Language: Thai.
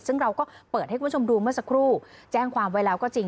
ซึ่งเราก็เปิดให้คุณผู้ชมดูเมื่อสักครู่แจ้งความไว้แล้วก็จริง